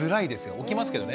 起きますけどね。